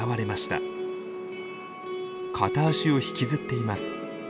片足を引きずっています。